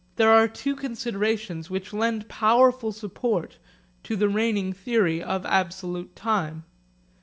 There are two considerations which lend powerful support to the reigning theory of absolute time.